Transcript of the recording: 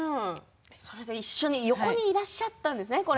それで一緒に横にいらっしゃったんですね。